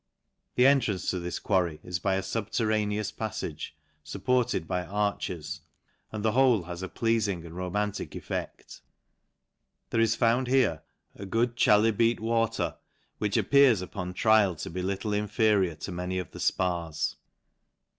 The entrance to this quarry is by a fubterraneous pafTage, fupported bv arches, and the whole has a pleafing and romantic effect. There is found here a good chalybeate wa ter, which appears upon trial to be little inferior tc many of the Spas.